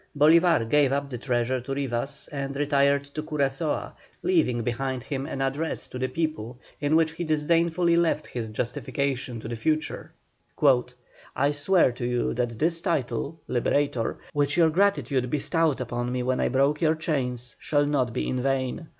Bolívar gave up the treasure to Rivas and retired to Curaçoa, leaving behind him an address to the people in which he disdainfully left his justification to the future: "I swear to you that this title (Liberator), which your gratitude bestowed upon me when I broke your chains, shall not be in vain.